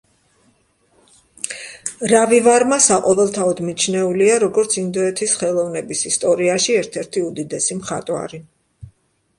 რავი ვარმა საყოველთაოდ მიჩნეულია, როგორც ინდოეთის ხელოვნების ისტორიაში ერთ-ერთი უდიდესი მხატვარი.